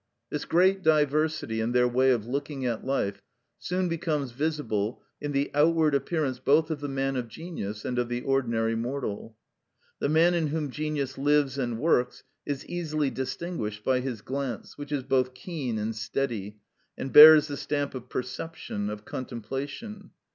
This great diversity in their way of looking at life soon becomes visible in the outward appearance both of the man of genius and of the ordinary mortal. The man in whom genius lives and works is easily distinguished by his glance, which is both keen and steady, and bears the stamp of perception, of contemplation.